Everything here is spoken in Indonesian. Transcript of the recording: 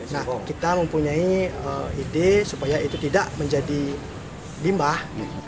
nah kita mempunyai ide supaya itu tidak menjadi limbah